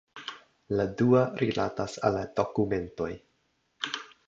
La dua rilatas al la dokumentoj.